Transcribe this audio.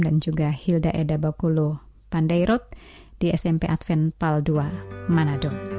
dan juga hilda eda bakulu pandairot di smp advent pal dua manado